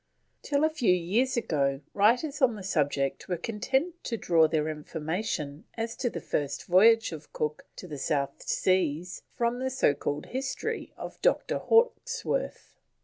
Till a few years ago writers on the subject were content to draw their information as to the first voyage of Cook to the South Seas from the so called history of Dr. Hawkesworth.